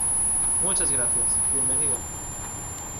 muchas gracias. bienvenido .